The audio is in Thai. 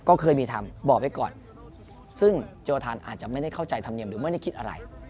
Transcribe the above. ก็เคยมีทำบอกไว้ก่อนซึ่งโจทานอาจจะไม่ได้เข้าใจธรรมเนียมหรือไม่ได้คิดอะไร